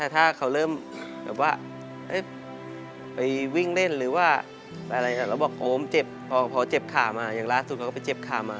ถ้าเขาเริ่มแบบว่าไปวิ่งเล่นหรือว่าอะไรแล้วบอกโอมเจ็บพอเจ็บขามาอย่างล่าสุดเราก็ไปเจ็บขามา